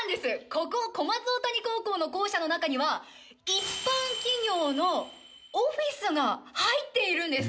ここ小松大谷高校の校舎の中には一般企業のオフィスが入っているんです！